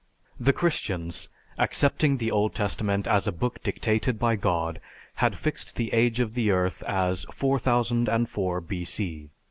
The Christians, accepting the Old Testament as a book dictated by God, had fixed the age of the earth as 4004 B.C.